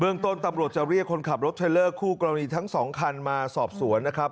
ต้นตำรวจจะเรียกคนขับรถเทลเลอร์คู่กรณีทั้งสองคันมาสอบสวนนะครับ